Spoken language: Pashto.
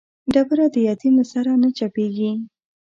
ډبره د يتيم له سره نه چپېږي.